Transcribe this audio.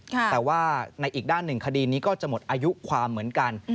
แต่ว่าในอีกด้านหนึ่งคดีนี้ก็จะหมดอายุความเหมือนกัน